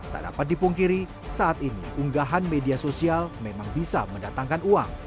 tak dapat dipungkiri saat ini unggahan media sosial memang bisa mendatangkan uang